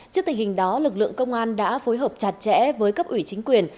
trước tình hình đó lực lượng công an đã phối hợp chặt chẽ với cấp ủy chính quyền